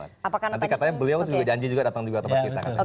nanti katanya beliau juga janji datang ke tempat kita